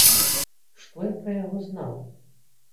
Што я пра яго знаў?